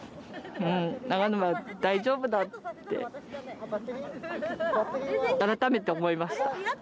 長沼大丈夫だって改めて思いました。